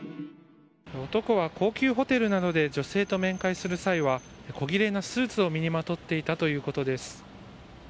男は高級ホテルなどで女性と面会する際はこぎれいなスーツを身にまとっていたということです。